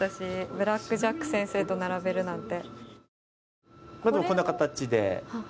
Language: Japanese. ブラック・ジャック先生と並べるなんて。